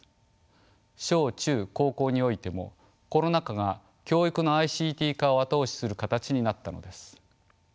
小中高校においてもコロナ禍が教育のＩＣＴ化を後押しする形になったのです。